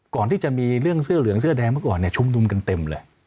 ก่อนที่จะมีเรื่องเสื้อเหลืองเสื้อแดงเมื่อก่อนชุมนุมกันเต็มเลย